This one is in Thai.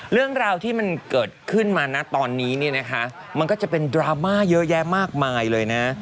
เรื่องราวที่มันเกิดขึ้นมานะตอนนี้เนี่ยนะคะมันก็จะเป็นดราม่าเยอะแยะมากมายเลยนะ